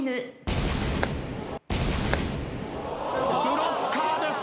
ブロッカーです。